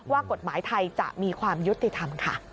ว่ากฎหมายไทยจะมีความยุติธรรมค่ะ